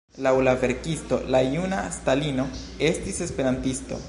Laŭ la verkisto, la juna Stalino estis esperantisto.